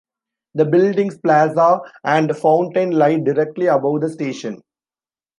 The building's plaza and fountain lie directly above the station.